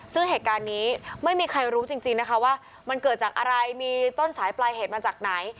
ซึ่งเหตุการณ์นี้ไม่มีใครรู้จริงนะคะว่ามันเกิดจากอะไรมีต้นสายปลายเหตุมาจากไหน